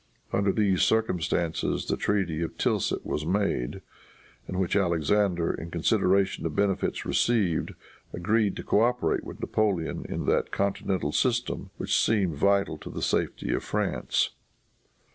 Under these circumstances the treaty of Tilsit was made, in which Alexander, in consideration of benefits received, agreed to coöperate with Napoleon in that continental system which seemed vital to the safety of France.